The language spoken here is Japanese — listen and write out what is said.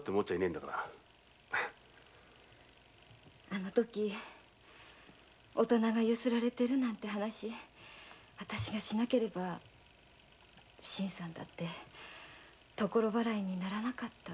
あの時店がゆすられてるなんて話をわたしがしなければ新さんも所払いにはならなかった。